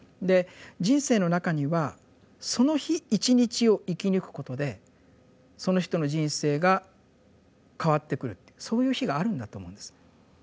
で人生の中にはその日一日を生き抜くことでその人の人生が変わってくるっていうそういう日があるんだと思うんです。